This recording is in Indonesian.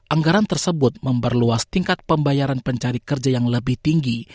anggaran tersebut memperluas tingkat pembayaran pencari kerja yang lebih tinggi